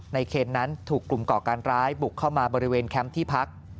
เคนนั้นถูกกลุ่มก่อการร้ายบุกเข้ามาบริเวณแคมป์ที่พัก